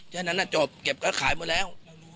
แค่นั้นน่ะจบเก็บก็ขายไปแล้ว